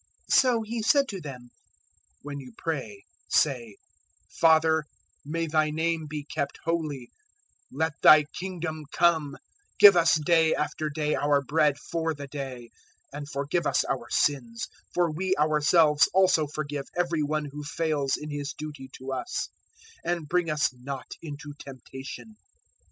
011:002 So He said to them, "When you pray, say, `Father may Thy name be kept holy; let Thy Kingdom come; 011:003 give us day after day our bread for the day; 011:004 and forgive us our sins, for we ourselves also forgive every one who fails in his duty to us; and bring us not into temptation.'"